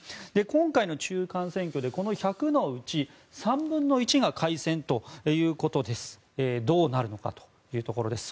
今回の中間選挙でこの１００のうちの３分の１が改選ということでどうなるのかというところです。